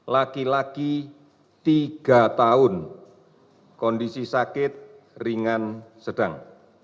empat puluh sembilan laki laki tiga tahun kondisi sakit ringan sedang